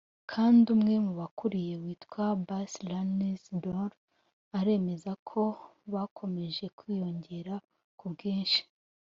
kandi umwe mu bawukuriye witwa Bas Lansdorp aremeza ko bakomeje kwiyongera ku bwinshi